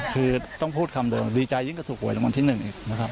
คือต้องพูดคำเดิมดีใจยิ้งเกิดถูกป่วยละน้ำที่หนึ่งอีกนะครับ